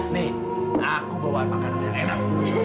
nih aku bawa makanan yang enak